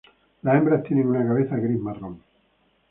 La hembra tiene una cabeza gris-marrón.